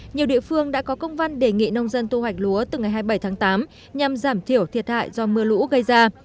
nhiều địa phương đã có công văn đề nghị nông dân thu hoạch lúa từ ngày hai mươi bảy tháng tám nhằm giảm thiểu thiệt hại do mưa lũ gây ra